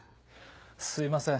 すいません。